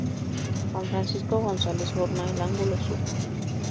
Juan Francisco González forma el ángulo sur.